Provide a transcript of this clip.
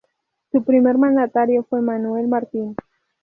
Su primer mandatario fue Manuel Martín.